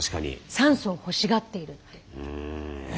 酸素を欲しがっているって。ね？